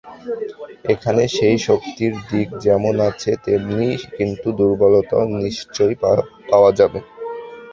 এখানে সেই শক্তির দিক যেমন আছে, তেমনি কিছু দুর্বলতাও নিশ্চয়ই পাওয়া যাবে।